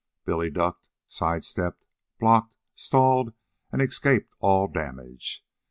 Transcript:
Billy ducked, side stepped, blocked, stalled, and escaped all damage.